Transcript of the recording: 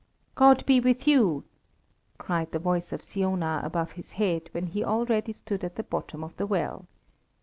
"God be with you!" cried the voice of Siona above his head, when he already stood at the bottom of the well.